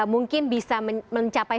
mungkin bisa mencapai